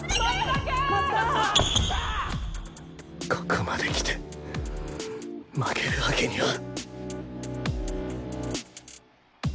ここまで来て負けるわけには